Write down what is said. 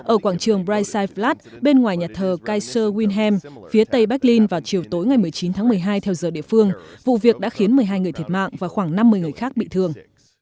ở quảng trường brightside flat bên ngoài nhà thờ kaiser wilhelm phía tây berlin vào chiều tối ngày một mươi chín tháng một mươi hai theo giờ địa phương vụ việc đã khiến một mươi hai người thiệt mạng và khoảng năm mươi người khác bị thương